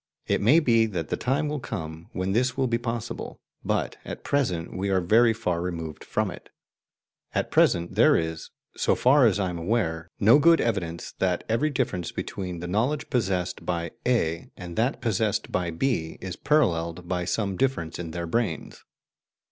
It may be that the time will come when this will be possible, but at present we are very far removed from it. At present, there is, so far as I am aware, no good evidence that every difference between the knowledge possessed by A and that possessed by B is paralleled by some difference in their brains.